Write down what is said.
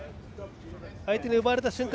相手に奪われた瞬間